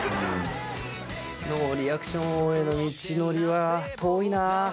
ノーリアクション王への道のりは遠いな。